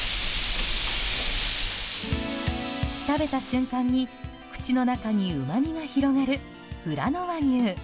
食べた瞬間に口の中にうまみが広がる、ふらの和牛。